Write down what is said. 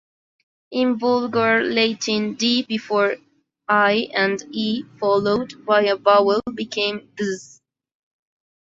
In Vulgar Latin "d" before "i" and "e", followed by a vowel, became "dz".